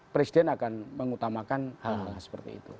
presiden akan mengutamakan hal hal seperti itu